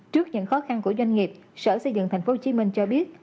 trước những khó khăn của doanh nghiệp sở xây dựng tp hcm cho biết